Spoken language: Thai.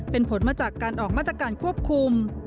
เป็นผลมาจากการออกมาตรการควบคุม